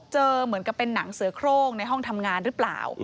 เหมือนกับเป็นหนังเสือโครงในห้องทำงานหรือเปล่า